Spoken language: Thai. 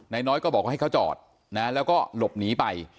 น้อยก็บอกว่าให้เขาจอดนะแล้วก็หลบหนีไป